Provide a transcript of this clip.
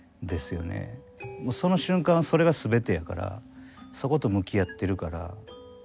その瞬間それがすべてやからそこと向き合ってるから。